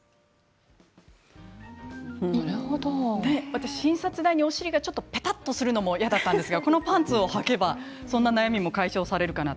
私、診察台にお尻がぺたっとするのも嫌だったんですがこのパンツをはけばそんな悩みが解消されますね。